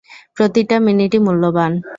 প্রতিটা মিনিটই মূল্যবান।